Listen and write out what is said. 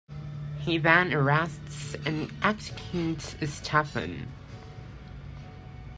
He then arrests and executes Stefan.